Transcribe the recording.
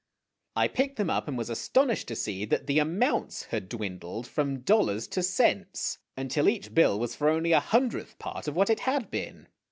' I picked them up and was astonished to see that the amounts had dwindled from dollars to cents, until each bill was for only a hundredth part of what it had been.